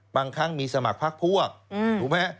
บางครั้งมีสมัครพักพวกถูกไหมฮะ